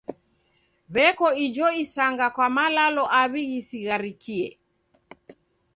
W'eko ijo isanga kwa malalo aw'i ghisigharikie.